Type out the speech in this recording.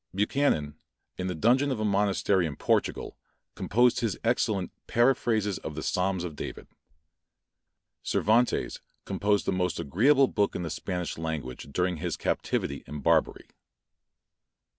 Buchanan, in the dungeon of a monastery in Portugal, composed his excellent Paraphrases of the Psalms of David. Cervantes composed the most agreeable book in the Spanish language during his captivity in Barbary.